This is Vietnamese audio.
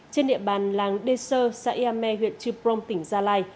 trên địa bàn làng đê sơ xã yà mê huyện trư prong tỉnh gia lai